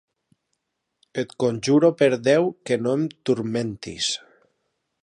Et conjuro per Déu que no em turmentis!